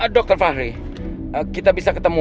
dokter fahri kita bisa ketemu